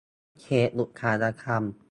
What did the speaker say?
เขตอุตสาหกรรม